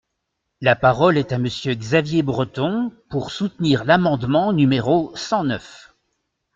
La parole est à Monsieur Xavier Breton, pour soutenir l’amendement numéro cent neuf.